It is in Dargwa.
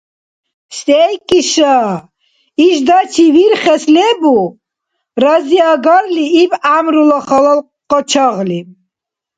– СейкӀиша? Ишдачи вирхес лебу? – разиагарли иб гӀямрула халал къачагъли.